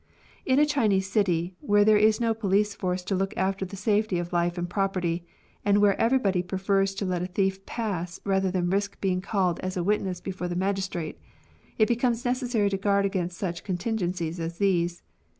In a Chinese city, where there is no police force to look after the safety of life and property, and where everybody pre fers to let a thief pass rather than risk being called as a witness before the magistrate, it becomes necessary to guard against such contingencies as these.